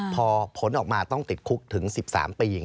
พอผลออกมาต้องติดคุกถึง๑๓ปี